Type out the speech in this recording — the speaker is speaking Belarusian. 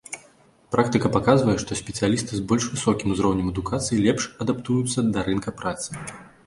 Практыка паказвае, што спецыялісты з больш высокім узроўнем адукацыі лепш адаптуюцца да рынка працы.